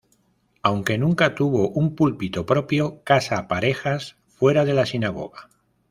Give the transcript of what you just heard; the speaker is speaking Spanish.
Aunque nunca tuvo un púlpito propio, casa parejas fuera de la sinagoga.